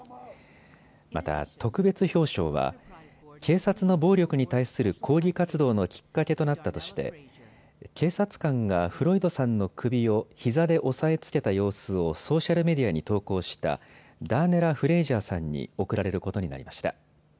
また特別表彰は警察の暴力に対する抗議活動のきっかけとなったとして警察官がフロイドさんの首をひざで押さえつけた様子をソーシャルメディアに投稿したダーネラ・フレイジャーさんに贈られることになりました。